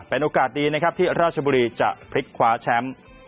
เป็นโอกาสดีนะครับที่ราชบุรีจะพลิกคว้าแชมป์